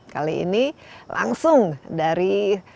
kali ini langsung dari